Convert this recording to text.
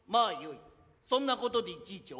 そんなことでいちいち怒らん。